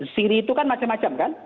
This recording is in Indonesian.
siri itu kan macam macam kan